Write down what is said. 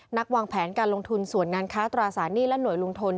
วางแผนการลงทุนส่วนงานค้าตราสารหนี้และหน่วยลงทุน